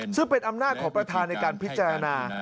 ซึ่งเป็นอำนาจของประธานในการพิจารณา